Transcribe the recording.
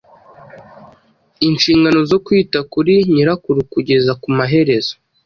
inshingano zo kwita kuri nyirakuru kugeza ku maherezo